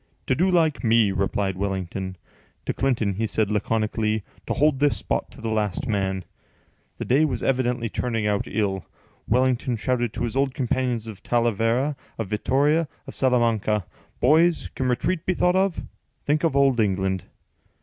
"To do like me," replied Wellington. To Clinton he said laconically, "To hold this spot to the last man." The day was evidently turning out ill. Wellington shouted to his old companions of Talavera, of Vittoria, of Salamanca: "Boys, can retreat be thought of? Think of old England!"